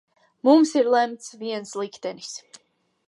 Mums ir lemts viens liktenis.